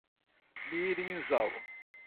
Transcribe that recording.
Mirinzal